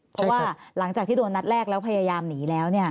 เพราะว่าหลังจากที่โดนนัดแรกแล้วพยายามหนีแล้ว